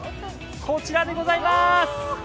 こちらでございます。